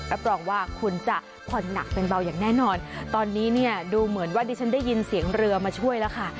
รับรองว่าคุณจะผ่อนหนักเป็นเบาอย่างแน่นอนตอนนี้เนี่ยดูเหมือนว่าดิฉันได้ยินเสียงเรือมาช่วยแล้วค่ะ